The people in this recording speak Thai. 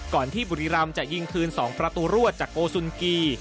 ก่อนที่บุรีรัมป์จะยิงคืน๒ประตูรวดจากโกซุนกี้